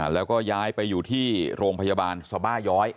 แล้วก็ย้ายไปอยู่ที่โรงพยาบาลสบาย้อย